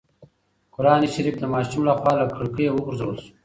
قرانشریف د ماشوم له خوا له کړکۍ وغورځول شو.